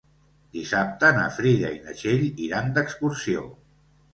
Dissabte na Frida i na Txell iran d'excursió.